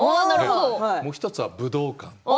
もう１つは武道館。